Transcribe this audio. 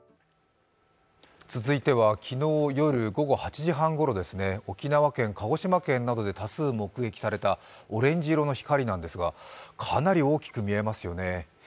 続いては昨日夜午後８時半ごろですね、沖縄県、鹿児島県などで多数目撃されたオレンジ色の光なんですが、かなり大きく見えますよね。